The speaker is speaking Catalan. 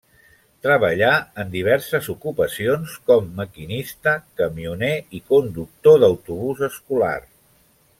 Treballà en diverses ocupacions com maquinista, camioner i conductor d'autobús escolar.